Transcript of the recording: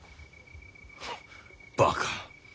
バカ。